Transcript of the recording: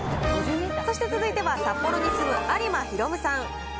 そして続いては、札幌に住む在間弘さん。